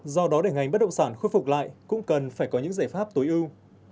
do đó để ngành bất động sản khôi phục lại cũng cần phải có những giải pháp tối ưu